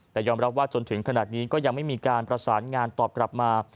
แต่ยอมรับว่าจนถึงขนาดนี้ก็ยังไม่มีการประสานงานตอบกลับมา